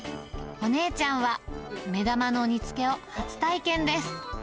お姉ちゃんは、目玉の煮つけを初体験です。